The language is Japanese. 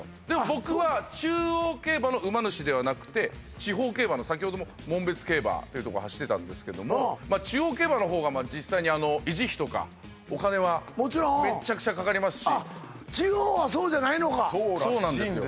僕は中央競馬の馬主ではなくて地方競馬の先ほども門別競馬というとこ走ってたんですけども中央競馬の方が実際に維持費とかお金はめっちゃくちゃかかりますしそうらしいんですよねそうなんですよ